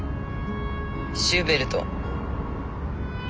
シューベルト？